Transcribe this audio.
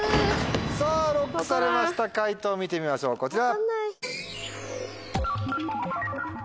さぁＬＯＣＫされました解答見てみましょうこちら。